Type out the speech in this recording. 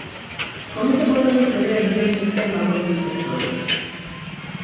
Komise pozorně sleduje vývoj v řeckém bankovním sektoru.